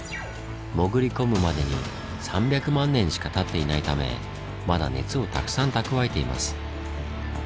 潜り込むまでに３００万年しかたっていないためまだ熱をたくさん蓄えています。